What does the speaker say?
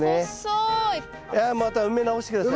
いやまた埋め直して下さい。